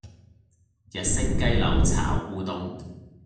日式雞柳炒烏冬